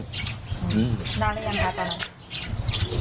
นานแล้วยังค่ะตอนนั้น